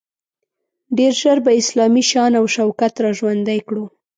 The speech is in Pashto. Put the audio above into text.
ډیر ژر به اسلامي شان او شوکت را ژوندی کړو.